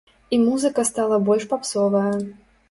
І музыка стала больш папсовая.